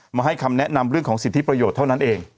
มาให้คำแนะนำเรื่องของสิทธิประโยชน์เท่านั้นเอง